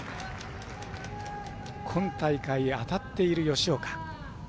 今大会、当たっている吉岡。